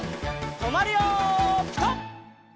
とまるよピタ！